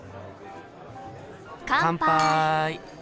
乾杯！